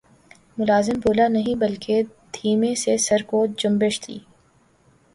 ملازم بولا نہیں بلکہ دھیمے سے سر کو جنبش دی